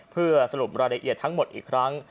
เพื่อสรุปรายละเอียดทั้งหมดอีกครั้ง